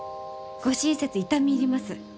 ご親切痛み入ります。